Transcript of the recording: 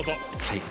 はい。